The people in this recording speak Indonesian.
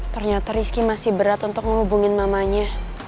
ternyata rizky masih berat untuk menghubungin mamanya